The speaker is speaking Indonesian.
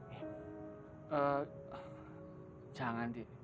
eh jangan di